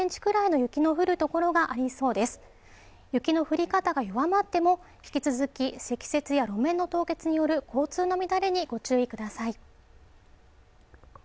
雪の降り方が弱まっても引き続き、積雪や路面の凍結による交通の乱れにご注意ください。